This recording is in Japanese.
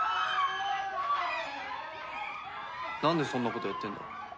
なんでそんなことやってんだ？